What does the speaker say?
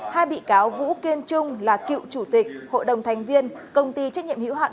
hai bị cáo vũ kiên trung là cựu chủ tịch hội đồng thành viên công ty trách nhiệm hữu hạn